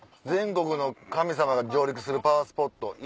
全国の神様が上陸するパワースポット